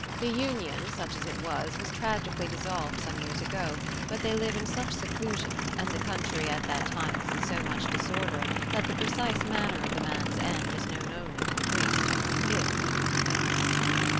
The union, such as it was, was tragically dissolved some years ago; but they live in such seclusion, and the country at that time was in so much disorder, that the precise manner of the man's end is known only to the priest—if even to him."